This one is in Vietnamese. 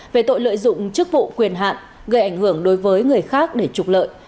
về tội lợi dụng chức vụ quyền hạn gây ảnh hưởng đối với người khác để trục lợi